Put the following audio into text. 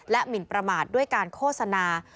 หมินประมาทด้วยการโฆษณา